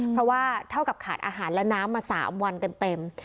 เพราะว่าเท่ากับขาดอาหารและน้ำมา๓วันเต็ม